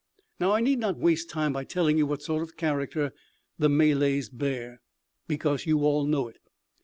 "Now, I need not waste time by telling you what sort of character the Malays bear, because you all know it.